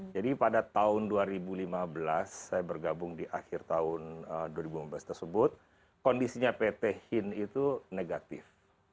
jadi pada tahun dua ribu lima belas saya bergabung di akhir tahun dua ribu lima belas tersebut kondisinya pt hin itu negatif